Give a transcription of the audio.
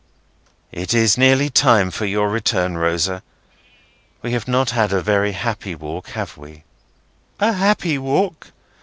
"It is nearly time for your return, Rosa. We have not had a very happy walk, have we?" "A happy walk?